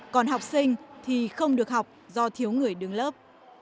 còn học sinh thì không được học do thiếu người đứng lớp